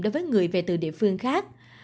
đối với người về từ địa phương khác